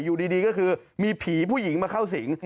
อยู่ดีก็คือมีผีผู้หญิงมาเข้าสิง